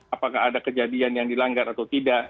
apakah ada kejadian yang dilanggar atau tidak